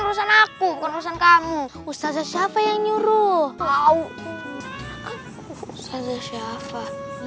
urusan aku bukan urusan kamu ustazah syafa yang nyuruh tahu ustazah syafa